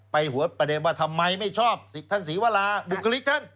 หัวประเด็นว่าทำไมไม่ชอบท่านศรีวราบุคลิกท่าน